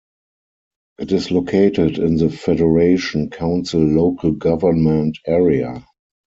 It is located in the Federation Council local government area.